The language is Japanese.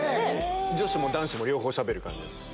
女子も男子も両方しゃべる感じですか？